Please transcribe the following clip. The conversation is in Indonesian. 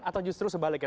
atau justru sedikit